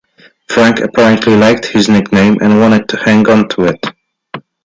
Frank apparently liked his nickname and wanted to hang on to it.